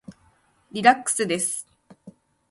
リラックスです。